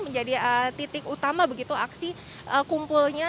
menjadi titik utama begitu aksi kumpulnya